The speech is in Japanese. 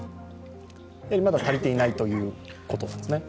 まだ足りていないということですね？